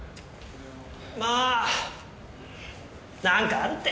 まあなんかあるって。